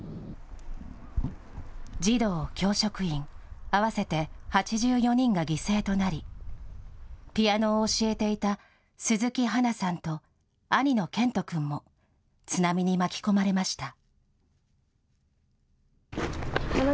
児童、教職員合わせて８４人が犠牲となり、ピアノを教えていた鈴木巴那さんと兄の堅登君も津波に巻き込まれました。